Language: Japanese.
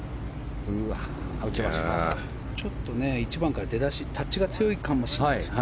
１番から出だし、タッチが強いかもしれないですね。